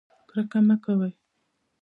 کرکه مه کوئ